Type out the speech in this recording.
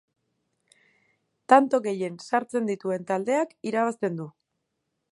Tanto gehien sartzen dituen taldeak irabazten du.